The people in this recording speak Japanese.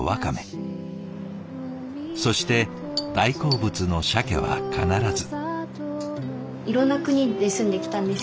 そして大好物のシャケは必ず。